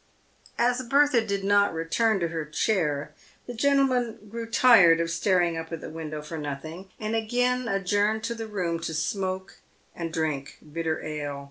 As Bertha did not return to her chair, the gentlemen grew tired of staring up at the window for nothing, and again adjourned to the room to smoke and drink bitter ale.